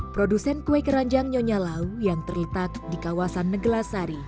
produsen kue keranjang nyonya lau yang terletak di kawasan neglasari